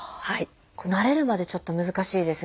慣れるまでちょっと難しいですね。